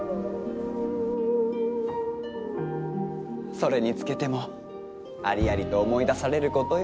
それにつけてもありありと思い出されることよ。